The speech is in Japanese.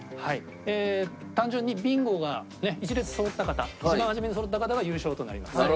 単純にビンゴが１列そろった方一番初めにそろった方が優勝となります。